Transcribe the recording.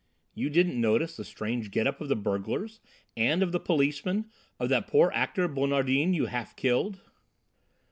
"You didn't notice the strange get up of the burglars? And of the policemen? Of that poor actor, Bonardin, you half killed?"